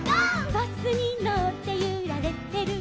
「バスにのってゆられてる」